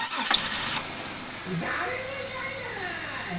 だれもいないじゃない！